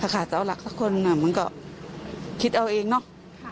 ถ้าขาดเจ้าหลักสักคนน่ะมันก็คิดเอาเองเนอะ